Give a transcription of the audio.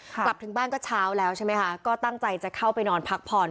กลับถึงบ้านก็เช้าแล้วใช่ไหมคะก็ตั้งใจจะเข้าไปนอนพักผ่อน